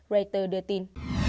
reuters đưa tin